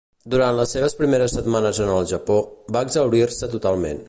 Durant les seves primeres setmanes en el Japó, va exhaurir-se totalment.